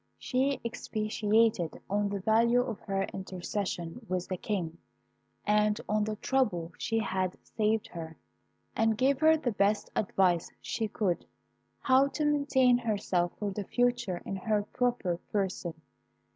"She expatiated on the value of her intercession with the King, and on the trouble she had saved her, and gave her the best advice she could how to maintain herself for the future in her proper person.